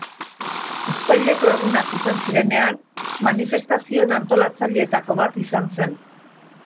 Uztaileko Egunak izan zirenean, manifestazioen antolatzaileetako bat izan zen.